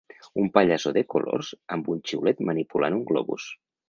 Un pallasso de colors amb un xiulet manipulant un globus.